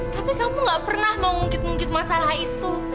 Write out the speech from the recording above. tapi kamu gak pernah mau ngungkit ungkit masalah itu